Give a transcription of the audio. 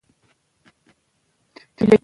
مرګ او ژوبله به پکې ډېره سوې وه.